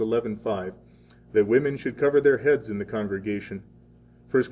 11:5, that women should cover their heads in the congregation, 1 Cor.